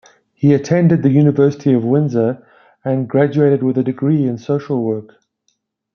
He attended the University of Windsor and graduated with a degree in social work.